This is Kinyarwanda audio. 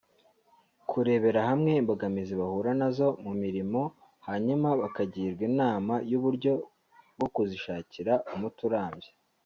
kurebera hamwe imbogamizi bahura na zo mu mirimo; hanyuma bakagirwa inama y’uburyo bwo kuzishakira umuti urambye